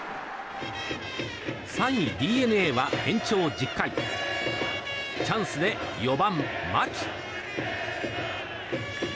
３位、ＤｅＮＡは延長１０回チャンスで４番、牧。